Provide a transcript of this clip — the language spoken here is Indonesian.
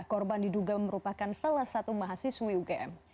korban diduga merupakan salah satu mahasiswi ugm